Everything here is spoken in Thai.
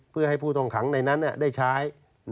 เพื่อให้ผู้ต้องขังในนั้นได้ใช้